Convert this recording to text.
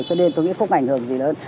cho nên tôi nghĩ không ảnh hưởng gì lớn